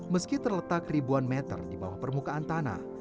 meski terletak ribuan meter di bawah permukaan tanah